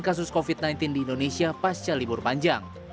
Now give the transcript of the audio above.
kasus covid sembilan belas di indonesia pasca libur panjang